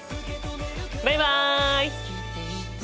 バイバイ！